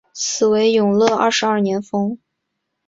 其为永乐二十二年封。